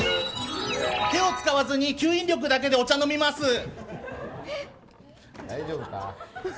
手を使わずに、吸引力だけでお茶を飲みます。